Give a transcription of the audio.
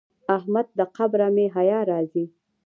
احمد له قبره مې حیا راځي.